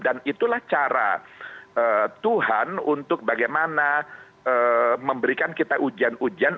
dan itulah cara tuhan untuk bagaimana memberikan kita ujian ujian